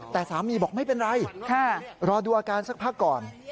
แต่สามีบอกไม่เป็นไรรอดูอาการสักพักก่อน